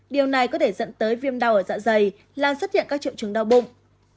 điều này có thể dẫn tới viêm đau ở dạ dày làm xuất hiện các triệu chứng đau bụng